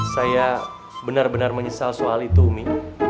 saya benar benar menyesal soal itu umi